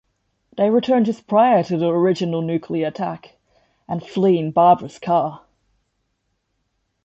They return just prior to the original nuclear attack, and flee in Barbara's car.